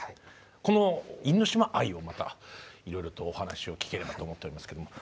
この因島愛をまたいろいろとお話を聞ければと思っておりますけども。